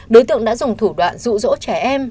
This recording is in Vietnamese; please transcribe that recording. đối tượng đã dùng thủ đoạn rụ rỗ trẻ em